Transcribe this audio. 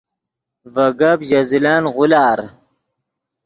ڤے گپ ژے زلن غولار